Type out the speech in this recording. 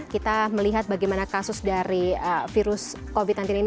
kita melihat bagaimana kasus dari virus covid sembilan belas ini